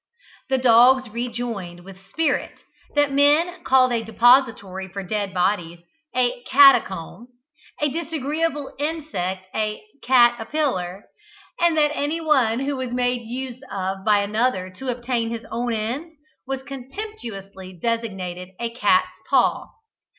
The dogs rejoined, with spirit, that men called a depository for dead bodies a "cat acomb," a disagreeable insect a "cat apillar," and that anyone who was made use of by another to obtain his own ends was contemptuously designated a "cat's paw."